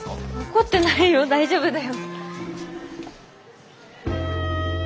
怒ってないよ大丈夫だよ。